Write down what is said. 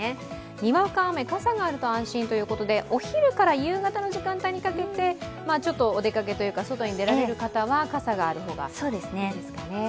にわか雨、傘があると安心ということで、お昼から夕方の時間帯にかけてちょっとお出かけというか外に出られる方は傘があるといいですかね。